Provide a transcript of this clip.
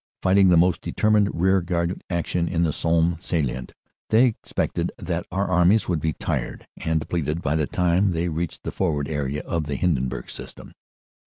Fighting the most determined rear guard action in the Somme salient, they expected that our armies would be tired and depleted by the time they reached the forward area of the Hindenburg System.